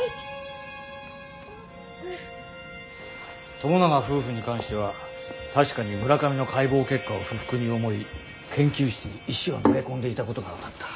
友永夫婦に関しては確かに村上の解剖結果を不服に思い研究室に石を投げ込んでいたことが分かった。